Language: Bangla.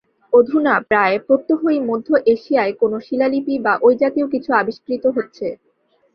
অধুনা প্রায় প্রত্যহই মধ্য এশিয়ায় কোন শিলালিপি বা ঐ-জাতীয় কিছু আবিষ্কৃত হচ্ছে।